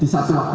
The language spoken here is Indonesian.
di satu waktu